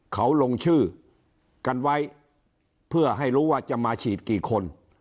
เขาลงชื่อกันไว้เพื่อให้รู้ว่าจะมาฉีดกี่คน